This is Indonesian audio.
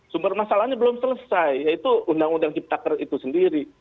sumber masalahnya belum selesai yaitu undang undang ciptaker itu sendiri